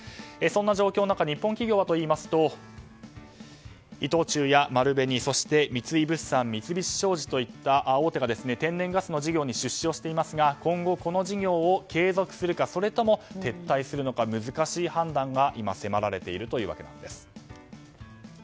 そんな状況の中日本企業はといいますと伊藤忠や丸紅、そして三井物産三菱商事といった大手が、天然ガス事業に出資していますが今後この事業を継続するかそれとも撤退するのか難しい判断が迫られているというわけなんです。